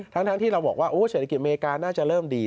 ทั้งที่เราบอกว่าเศรษฐกิจอเมริกาน่าจะเริ่มดี